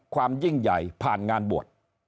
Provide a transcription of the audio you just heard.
ความยิ่งใหญ่ผ่านงานบวช